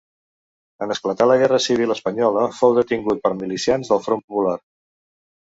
En esclatar la Guerra Civil espanyola fou detingut per milicians del Front Popular.